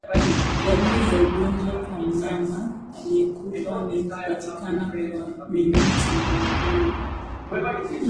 Dalili za ugonjwa kwa mnyama aliyekufa ni kupatikana kwa minyoo tumboni